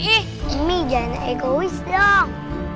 ini jangan egois dong